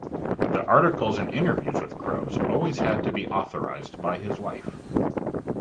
The articles and interviews with Croves always had to be authorized by his wife.